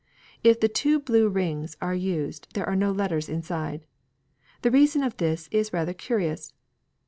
If the two blue rings are used there are no letters inside. The reason of this is rather curious.